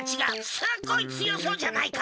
すっごいつよそうじゃないか！